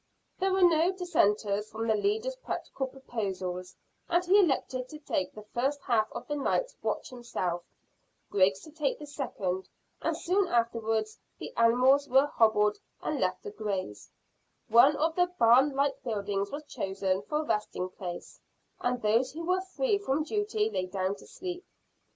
There were no dissenters from the leader's practical proposals, and he elected to take the first half of the night's watch himself, Griggs to take the second, and soon afterwards the animals were hobbled and left to graze, one of the barn like buildings was chosen for resting place, and those who were free from duty lay down to sleep.